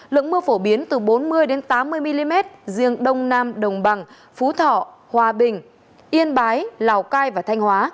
lượng mưa phổ biến từ bốn mươi tám mươi mm riêng đông nam đồng bằng phú thọ hòa bình yên bái lào cai và thanh hóa